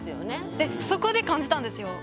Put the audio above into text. でそこで感じたんですよ。